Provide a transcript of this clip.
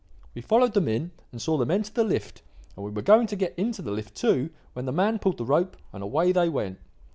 We followed them in and saw them enter the lift, and we were going to get into the lift too, when the man pulled the rope, and away they went.